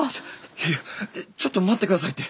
いやいやちょっと待って下さいって。